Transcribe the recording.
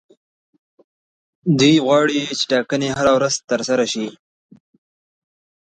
دوی غواړي چې ټاکنې هره ورځ ترسره شي.